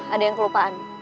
ada yang kelupaan